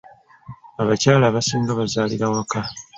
Abakyala abasinga bazaalira waka.